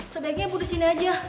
sebagiannya bu di sini aja